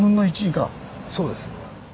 そうです。